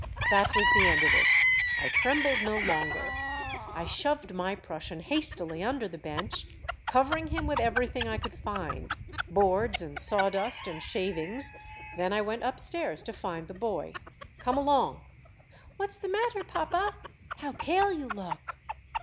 That was the end of it. I trembled no longer. I shoved my Prussian hastily under the bench, covering him with everything I could find, boards and sawdust and shavings ; then I went upstairs to find the boy. "* Come along.' "'What's the matter, papa? How pale you look